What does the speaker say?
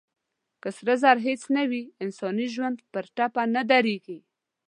که سره زر هېڅ نه وي، انساني ژوند پر ټپه نه درېږي.